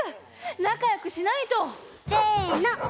なかよくしないと！せの。